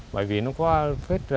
bởi vì nó có vết mùi